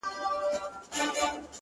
o د ژوندون ساز كي ائينه جوړه كړي ـ